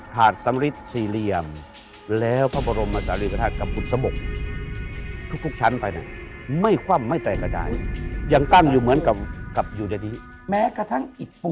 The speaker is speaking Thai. ทั้งอิตปูนควรหยิบออกไปก็ต้องเอามาคืน